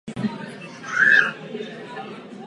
Po válce založila v Belgii americkou ženskou nemocnici.